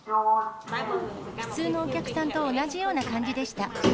普通のお客さんと同じような感じでした。